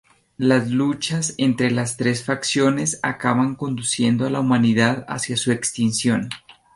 Las luchas entre las tres facciones acaban conduciendo a la humanidad hacia su extinción.